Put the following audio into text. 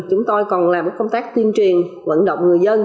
chúng tôi còn làm công tác tuyên truyền vận động người dân